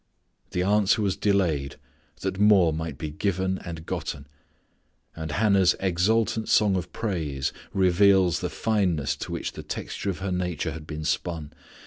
The answer was delayed that more might be given and gotten. And Hannah's exultant song of praise reveals the fineness to which the texture of her nature had been spun.